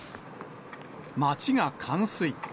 街が冠水。